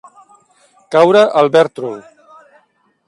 Caure al bertrol.